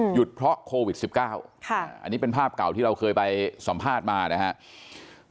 หยุดเพราะโควิด๑๙อันนี้เป็นภาพเก่าที่เราเคยไปสัมภาษณ์มานะครับ